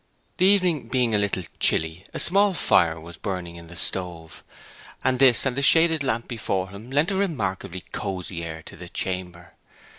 The evening being a little chilly a small fire was burning in the stove, and this and the shaded lamp before him lent a remarkably cosy air to the chamber.